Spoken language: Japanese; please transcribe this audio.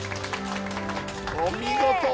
お見事。